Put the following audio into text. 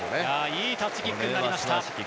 いいタッチキックになりました。